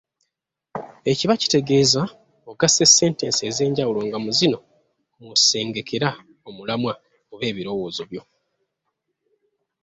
Ekiba kitegeeza ogasse sentensi ezenjawulo nga mu zino mwosengekera omulamwa oba ebirowoozo byo.